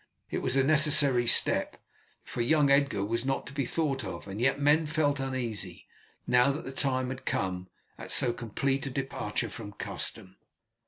It was a necessary step for young Edgar was not to be thought of and yet men felt uneasy, now that the time had come, at so complete a departure from custom.